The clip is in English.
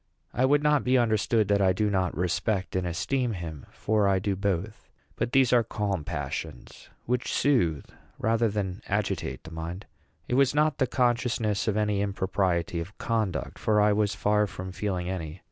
I would not be understood that I do not respect and esteem him; for I do both. But these are calm passions, which soothe rather than agitate the mind. It was not the consciousness of any impropriety of conduct; for I was far from feeling any.